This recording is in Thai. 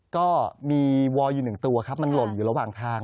ก็มีวอลอยู่๑ตัวครับมันหล่นอยู่ระหว่างทาง